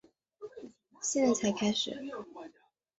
现在才开始